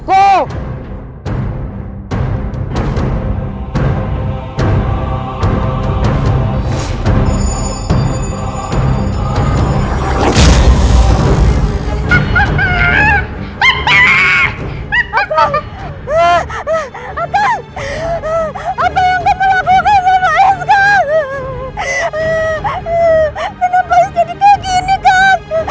kenapa ais jadi kayak gini kak